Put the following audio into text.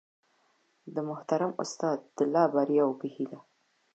د محترم استاد د لا بریاوو په هیله